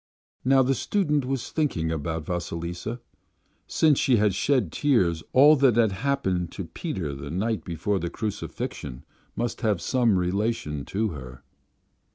Now the student was thinking about Vasilisa: since she had shed tears all that had happened to Peter the night before the Crucifixion must have some relation to her....